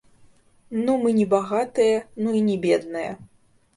Ну, мы не багатыя, ну і не бедныя.